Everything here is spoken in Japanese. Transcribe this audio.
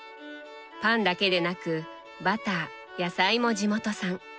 パンだけでなくバター野菜も地元産。